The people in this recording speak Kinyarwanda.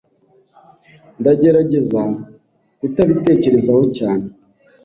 Ndagerageza kutabitekerezaho cyane.